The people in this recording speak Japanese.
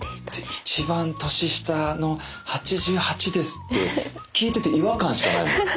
「一番年下の８８です」って聞いてて違和感しかないもん。